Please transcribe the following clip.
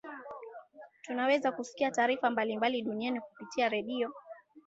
tunaweza kusikia taarifa mbalimbali duniani kupitia redio